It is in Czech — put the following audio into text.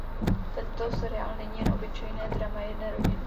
Tento seriál není jen obyčejné drama jedné rodiny.